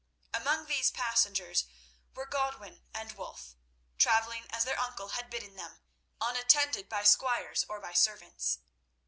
Among these passengers were Godwin and Wulf, travelling, as their uncle had bidden them, unattended by squires or by servants.